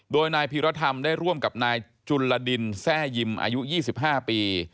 โดยนายพีรธรรมได้ร่วมกับนายจุลดินแทร่ยิมอายุ๒๕ปี